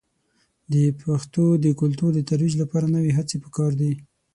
د پښتو د کلتور د ترویج لپاره نوې هڅې په کار دي.